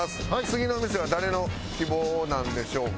次のお店は誰の希望なんでしょうか？